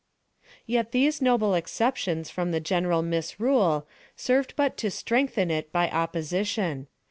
Yet these noble exceptions from the general misrule served but to strengthen it by opposition.